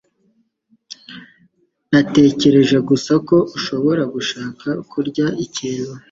Natekereje gusa ko ushobora gushaka kurya ikintu.